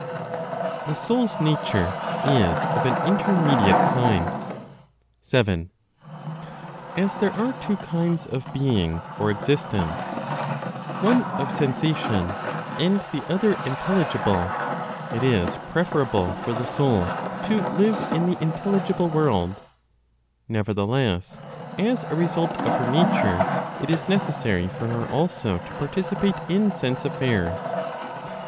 THE SOUL'S NATURE IS OF AN INTERMEDIATE KIND. 7. As there are two kinds of being (or, existence), one of sensation, and the other intelligible, it is preferable for the soul to live in the intelligible world; nevertheless, as a result of her nature, it is necessary for her also to participate in sense affairs.